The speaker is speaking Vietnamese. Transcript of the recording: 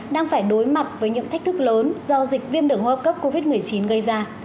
đang phải đối mặt với những thách thức lớn do dịch viêm đường hô hấp cấp covid một mươi chín gây ra